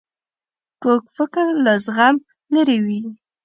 کوږ فکر له زغم لیرې وي